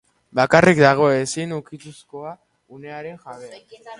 Bakarrik dago, ezin ukituzkoa, unearen jabea.